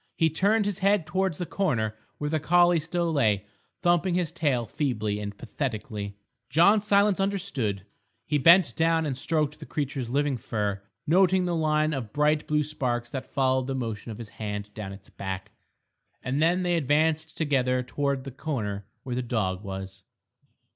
He turned his head towards the corner where the collie still lay, thumping his tail feebly and pathetically. John Silence understood. He bent down and stroked the creature's living fur, noting the line of bright blue sparks that followed the motion of his hand down its back. And then they advanced together towards the corner where the dog was.